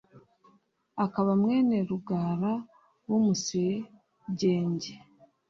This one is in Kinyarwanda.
akaba mwene Rugara w’Umusegenge